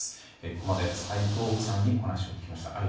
ここまで斎藤さんにお話を聞きました。